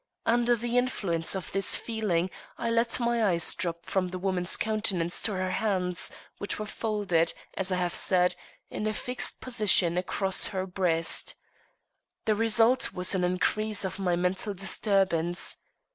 Under the influence of this feeling I let my eyes drop from the woman's countenance to her hands, which were folded, as I have said, in a fixed position across her breast. The result was an increase of my mental disturbance.